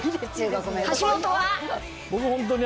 橋本は？